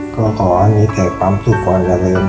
ขออนุญาตสุขความจริง